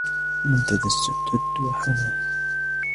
منتدى السؤدد وحمـاه